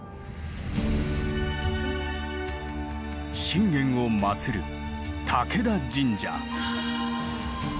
信玄を祀る武田神社。